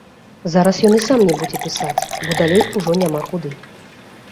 Зараз ён і сам не будзе пісаць, бо далей ужо няма куды.